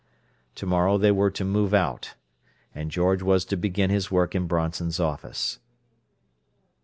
To morrow they were to "move out," and George was to begin his work in Bronson's office.